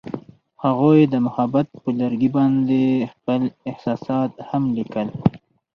هغوی د محبت پر لرګي باندې خپل احساسات هم لیکل.